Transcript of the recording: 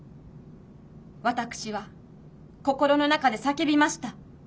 私は心の中で叫びました。